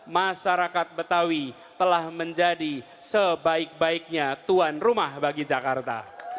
masyarakat betawi telah menjadi sebaik baiknya tuan rumah bagi jakarta